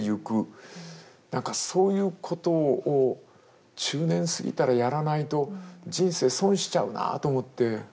何かそういうことを中年過ぎたらやらないと人生損しちゃうなと思って。